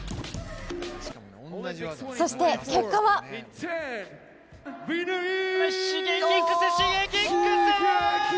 そして結果はＳｈｉｇｅｋｉｘ、Ｓｈｉｇｅｋｉｘ！